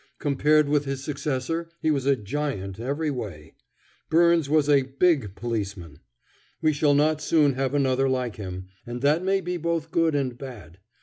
Compared with his successor, he was a giant every way. Byrnes was a "big policeman." We shall not soon have another like him, and that may be both good and bad.